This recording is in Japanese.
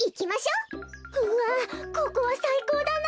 うわここはさいこうだな。